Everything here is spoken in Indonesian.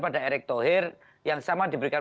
pada erek tohir yang sama diberikan